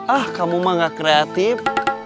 ah kamu mah gak kreatif